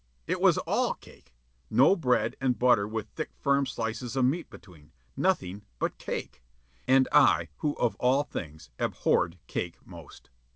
It was all cake. No bread and butter with thick firm slices of meat between nothing but cake; and I who of all things abhorred cake most!